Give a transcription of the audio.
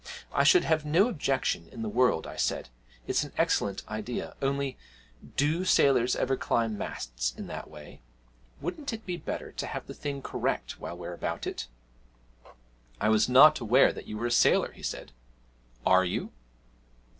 'I should have no objection in the world,' I said; 'it's an excellent idea only, do sailors ever climb masts in that way? Wouldn't it be better to have the thing correct while we're about it?' 'I was not aware that you were a sailor,' he said; 'are you?'